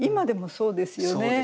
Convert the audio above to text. そうですよね。